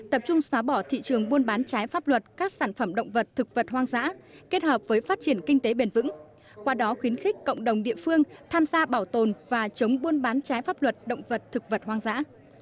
tập trung xóa bỏ thị trường buôn bán trái pháp luật các sản phẩm động vật thực vật hoang dã kết hợp với phát triển kinh tế bền vững qua đó khuyến khích cộng đồng địa phương tham gia bảo tồn và chống buôn bán trái pháp luật động vật thực vật hoang dã